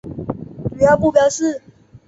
主要目标是